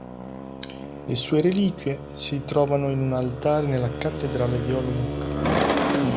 Le sue reliquie si trovano in un altare nella cattedrale di Olomouc.